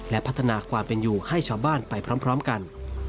และพัฒนาความเป็นอยู่ให้ชาวบ้านไปพร้อมกัน